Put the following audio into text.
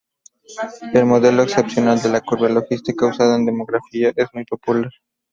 El modelo exponencial de la curva logística, usado en demografía, es muy popular.